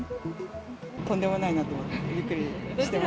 とんでもないなとびっくりしてます。